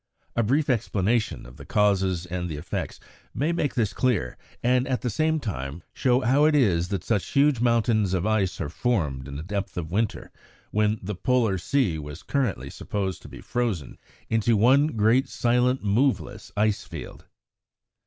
A brief explanation of the causes and the effects may make this clear, and, at the same time, show how it is that such huge mountains of ice are formed in the depth of winter when the Polar Sea was currently supposed to be frozen into one great silent moveless ice field.